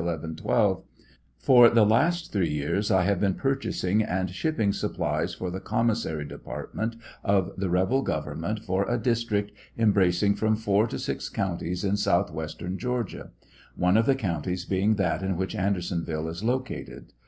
1112:) For the last three years I have been purchasing and shipping supplies for the commissary department of the rebel government for a district embracing from four to six counties in southwestern Georgia ; one of the counties being that in which Andersonville is located.